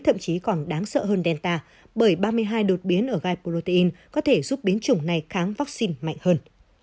thậm chí còn đáng sợ hơn delta bởi ba mươi hai đột biến ở gai protein có thể giúp biến chủng này kháng vaccine mạnh hơn